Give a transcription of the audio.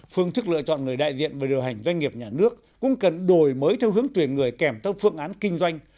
phương thức lựa chọn người đại diện và điều hành doanh nghiệp nhà nước cũng cần đổi mới theo hướng tuyển người kèm theo phương án kinh doanh